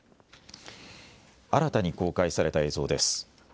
新たに公開された映像です。